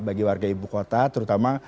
bagi warga ibu kota terutama